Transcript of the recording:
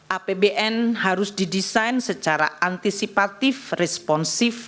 apbn harus didesain secara antisipatif responsif